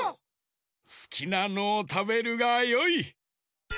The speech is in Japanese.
すきなのをたべるがよい。